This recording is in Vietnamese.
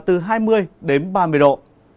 từ hai mươi ba mươi độ